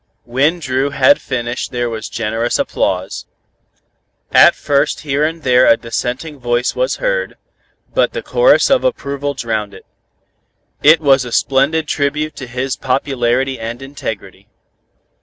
'" When Dru had finished there was generous applause. At first here and there a dissenting voice was heard, but the chorus of approval drowned it. It was a splendid tribute to his popularity and integrity.